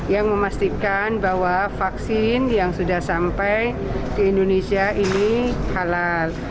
yang memastikan bahwa vaksin yang sudah sampai di indonesia ini halal